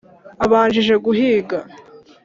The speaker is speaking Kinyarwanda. Abanjije guhiga.